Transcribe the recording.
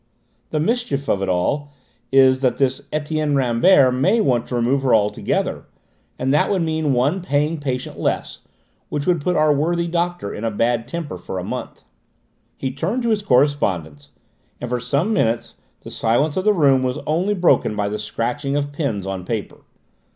The mischief of it is that this Etienne Rambert may want to remove her altogether, and that would mean one paying patient less, which would put our worthy director in a bad temper for a month." He turned to his correspondence, and for some minutes the silence in the room was only broken by the scratching of pens on paper.